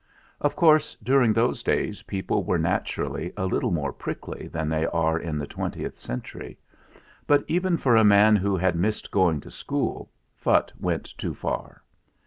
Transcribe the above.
Of course, during those days people were naturally a little more prickly than they are in the twentieth century ; but even for a man who had missed going to school Phutt went too far.